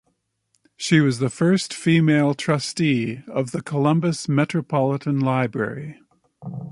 She was the first female trustee of the Columbus Metropolitan Library.